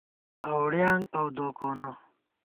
اؤڑِیانگ اؤ دوکونہ